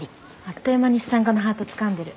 あっという間に資産家のハートつかんでる。